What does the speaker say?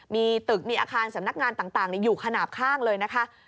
มีตึกมีอาคารสำนักงานต่างอยู่ขนาดข้างเลยนะคะ